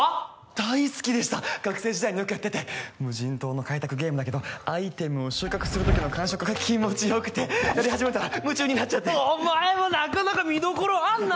大好きでした学生時代によくやってて無人島の開拓ゲームだけどアイテムを収穫する時の感触が気持ちよくてやり始めたら夢中になっちゃってお前もなかなか見どころあるな！